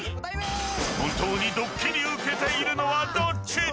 本当にドッキリ受けているのはどっち？